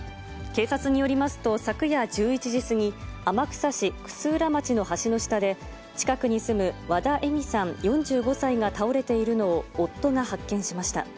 警察によりますと、昨夜１１時過ぎ、天草市楠浦町の橋の下で、近くに住む和田恵海さん４５歳が倒れているのを夫が発見しました。